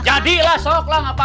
jadilah sok lah ngapain